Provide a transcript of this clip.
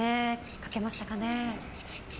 書けましたかね。